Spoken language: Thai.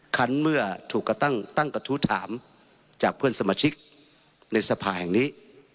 คันเมื่อถูกตั้งกระทู้ถามจากเพื่อนสมาชิกในสภาแห่งนี้